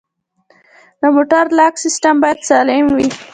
د موټر لاک سیستم باید سالم وي.